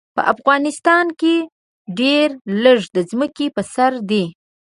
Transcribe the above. په افغانستان کې ډېر لږ د ځمکې په سر دي.